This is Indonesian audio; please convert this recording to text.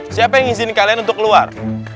siapa yang izin kalian untuk keluar